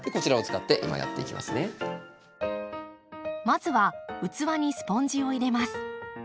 まずは器にスポンジを入れます。